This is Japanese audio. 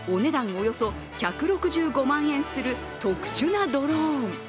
およそ１６５万円する特殊なドローン。